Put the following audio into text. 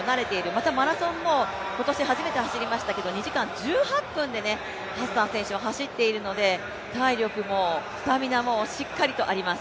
またマラソンも今年初めて走っていますけど２時間１８分でハッサン選手は走っていますので体力もスタミナもしっかりとあります。